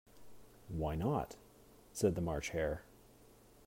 ‘Why not?’ said the March Hare.